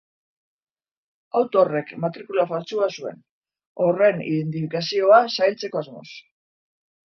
Auto horrek matrikula faltsua zuen, horren identifikazioa zailtzeko asmoz.